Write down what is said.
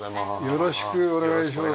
よろしくお願いします。